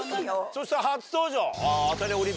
そして初登場。